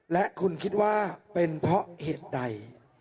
และคุณคิดว่าเป็นเพราะเหตุใด